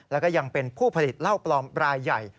แล้วก็ยังเป็นผู้ผลิตเหล้าปลอมรายใหญ่